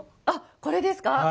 あこれですか。